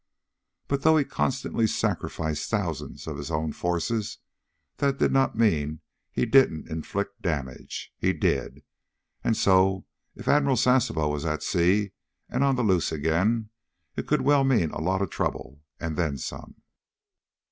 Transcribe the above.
But though he constantly sacrificed thousands of his own forces, that did not mean he didn't inflict damage. He did. And so, if Admiral Sasebo was at sea, and on the loose again, it could well mean a lot of trouble, and then some.